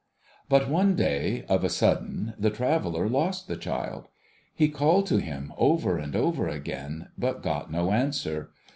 But, one day, of a sudden, the traveller lost the child. He called to him over and over again, but got no answer.